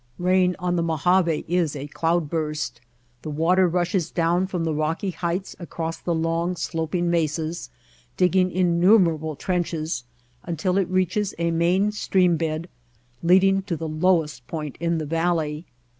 Rain on the Mojave is a cloud burst. The water rushes down from the rocky heights across the long, sloping mesas, digging innumerable trenches, until it reaches a main stream bed leading to the lowest point in the valley.